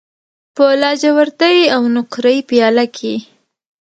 په لاجوردی او نقره یې پیاله کې